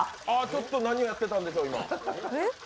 ちょっと何をやってたんでしょう、今。